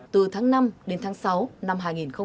từ tháng năm đến tháng sáu năm hai nghìn hai mươi